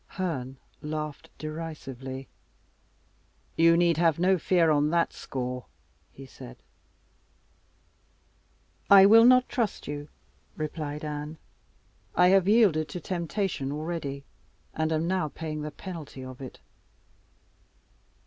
Herne laughed derisively. "You need have no fear on that score," he said. "I will not trust you," replied Anne. "I have yielded to temptation already, and am now paying the penalty of it."